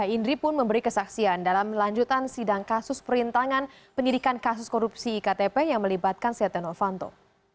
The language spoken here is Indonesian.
indri pun memberi kesaksian dalam lanjutan sidang kasus perintangan pendidikan kasus korupsi iktp yang melibatkan setia novanto